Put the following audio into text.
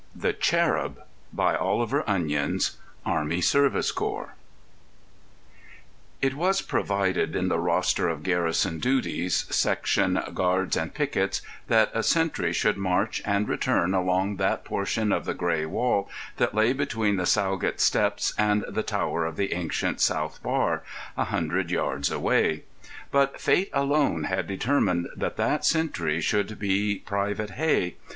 The Cherub By Oliver Onions Army Service Corps It was provided in the roster of Garrison Duties, Section "Guards and Picquets," that a sentry should march and return along that portion of the grey wall that lay between the Sowgate Steps and the Tower of the ancient South Bar, a hundred yards away; but fate alone had determined that that sentry should be Private Hey.